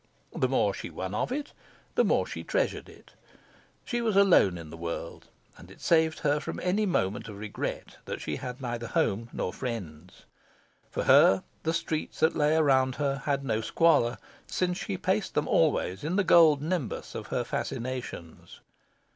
The more she won of it, the more she treasured it. She was alone in the world, and it saved her from any moment of regret that she had neither home nor friends. For her the streets that lay around her had no squalor, since she paced them always in the gold nimbus of her fascinations.